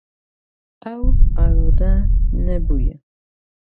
Ew arode nebûye.